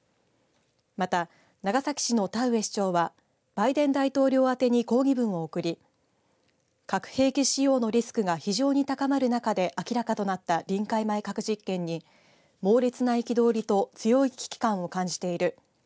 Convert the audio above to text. また、長崎市の田上市長はバイデン大統領あてに抗議文を送り核兵器使用のリスクが非常に高まる中で明らかとなった臨界前核実験に猛烈な憤りと強い危機感を感じている。